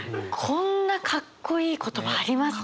こんなかっこいい言葉ありますか？